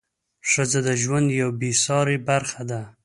ښځه د ژوند یوه بې سارې برخه ده.